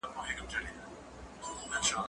زه لوبه نه کوم؟